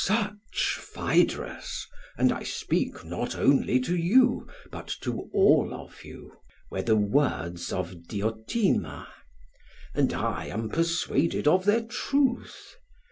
"Such, Phaedrus and I speak not only to you, but to all of you were the words of Diotima; and I am persuaded of their truth.